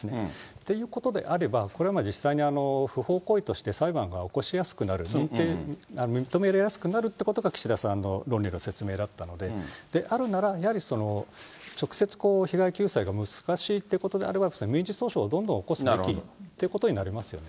ということであれば、これは実際に不法行為として裁判が起こしやすくなる、認めやすくなるということが岸田さんの論理の説明だったので、であるなら、やはり直接、被害救済が難しいということであれば、民事訴訟をどんどん起こすということになりますよね。